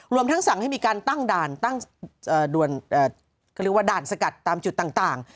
ทั้งสั่งให้มีการตั้งด่านตั้งเขาเรียกว่าด่านสกัดตามจุดต่าง